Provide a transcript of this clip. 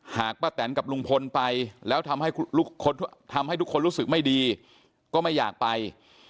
ป้าแตนกับลุงพลไปแล้วทำให้ทุกคนรู้สึกไม่ดีก็ไม่อยากไป